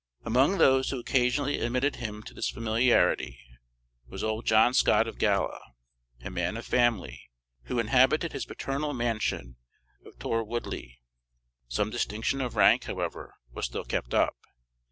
Among those who occasionally admitted him to this familiarity, was old John Scott of Galla, a man of family, who inhabited his paternal mansion of Torwoodlee. Some distinction of rank, however, was still kept up.